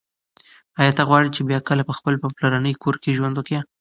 ایا ته غواړې چې بیا کله په خپل پلرني کور کې ژوند وکړې؟